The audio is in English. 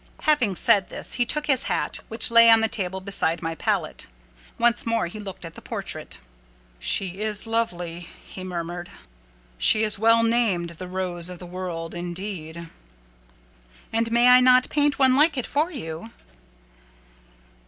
'" Having said this, he took his hat, which lay on the table beside my palette. Once more he looked at the portrait. "She is lovely," he murmured. "She is well named the Rose of the World, indeed!" "And may I not paint one like it for you?"